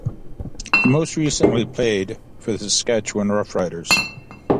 He most recently played for the Saskatchewan Roughriders.